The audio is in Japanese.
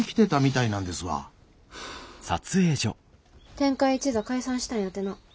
天海一座解散したんやてな。